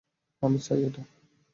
আমি চাই এটা।